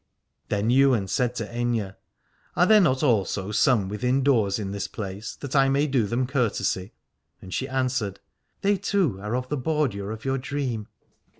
Then Ywain said to Aithne : Are there not also some within doors in this place, that I may do them courtesy ? And she answered : They, too, are of the bordure of your dream.